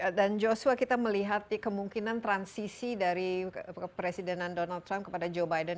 ya dan joshua kita melihat ya kemungkinan transisi dari presiden donald trump kepada joe biden